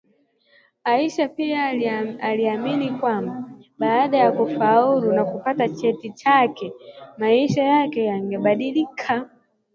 Aisha pia aliamini kwamba baada ya kufaulu na kupata cheti chake, maisha yake yangebadilika